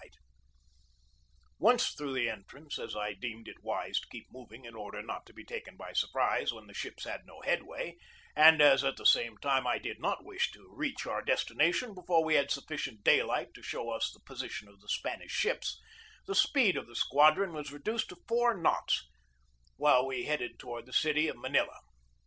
THE BATTLE OF MANILA BAY 211 Once through the entrance, as I deemed it wise to keep moving in order not to be taken by surprise when the ships had no headway, and as, at the same time, I did not wish to reach our destination before we had sufficient daylight to show us the position of the Spanish ships, the speed of the squadron was reduced to four knots, while we headed toward the city of Manila.